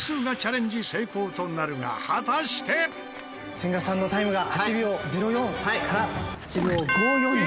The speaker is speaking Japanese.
「千賀さんのタイムが８秒０４から８秒５４に」